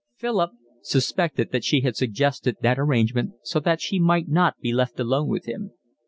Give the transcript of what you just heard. Philip suspected that she had suggested that arrangement so that she might not be left alone with him.